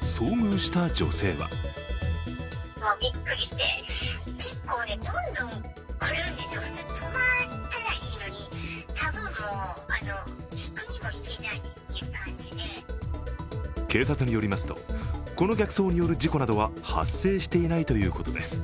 遭遇した女性は警察によりますと、この逆走による事故などは発生していないということです。